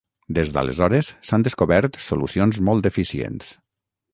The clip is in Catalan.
Des d'aleshores, s'han descobert solucions molt eficients.